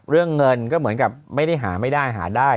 เรื่องเงินก็เหมือนกับไม่ได้หาไม่ได้หาได้